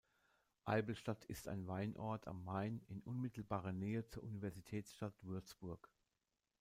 Eibelstadt ist ein Weinort am Main in unmittelbarer Nähe zur Universitätsstadt Würzburg.